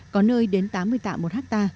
có nơi đến tám mươi tạm một ha